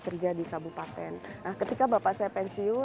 kemudian fokus es